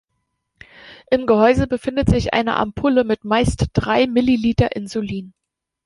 Im Gehäuse befindet sich eine Ampulle mit meist drei Milliliter Insulin.